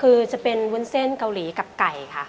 คือจะเป็นวุ้นเส้นเกาหลีกับไก่ค่ะ